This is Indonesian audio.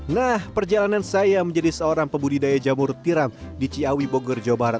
nah perjalanan saya menjadi seorang pembudidaya jamur tiram di ciawi bogor jawa barat